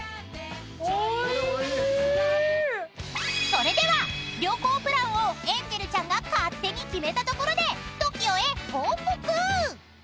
［それでは旅行プランをエンジェルちゃんが勝手に決めたところで］